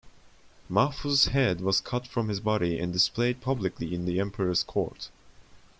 Mahfuz's head was cut from his body and displayed publicly in the Emperor's court.